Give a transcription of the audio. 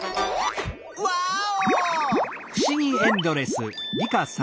ワーオ！